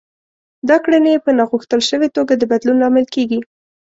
دا کړنې يې په ناغوښتل شوې توګه د بدلون لامل کېږي.